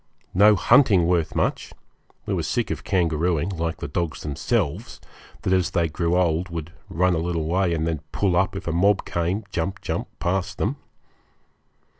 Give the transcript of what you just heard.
No hunting worth much we were sick of kangarooing, like the dogs themselves, that as they grew old would run a little way and then pull up if a mob came, jump, jump, past them.